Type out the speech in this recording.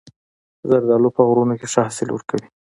زردالو په غرونو کې ښه حاصل ورکوي.